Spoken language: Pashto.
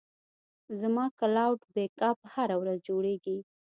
زما کلاوډ بیک اپ هره ورځ جوړېږي.